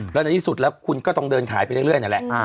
แล้วในที่สุดแล้วคุณก็ต้องเดินขายไปเรื่อยนั่นแหละ